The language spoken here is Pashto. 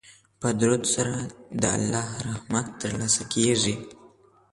په درود سره د الله رحمت ترلاسه کیږي.